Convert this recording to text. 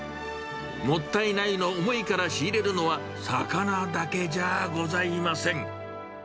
もったいないの思いから仕入れるのは魚だけじゃございません。